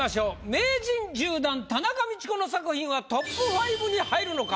名人１０段田中道子の作品はＴＯＰ５に入るのか？